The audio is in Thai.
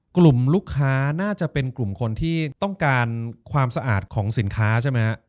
กลุ่มลูกค้าน่าจะเป็นกลุ่มคนที่ต้องการความสะอาดของสินค้าใช่ไหมฮะ